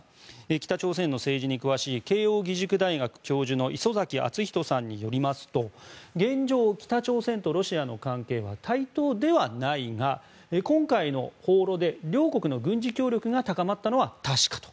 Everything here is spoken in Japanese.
北朝鮮の政治に詳しい慶應義塾大学教授の礒崎敦仁さんによりますと現状、北朝鮮とロシアの関係は対等ではないが今回の訪ロで両国の軍事協力が高まったのは確かと。